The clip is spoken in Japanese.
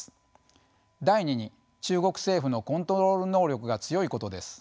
第２に中国政府のコントロール能力が強いことです。